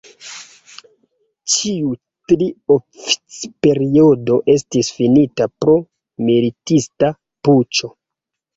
Ĉiu tri oficperiodo estis finita pro militista puĉo.